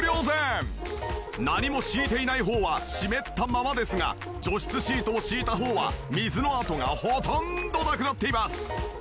何も敷いていない方は湿ったままですが除湿シートを敷いた方は水の跡がほとんどなくなっています。